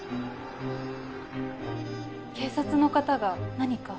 警察の方が何か？